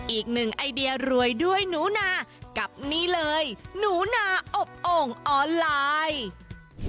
อีกหนึ่งไอเดียรวยด้วยหนูนากับนี่เลยหนูนาอบโอ่งออนไลน์